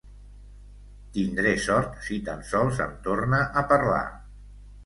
Tindré sort si tan sols em torna a parlar.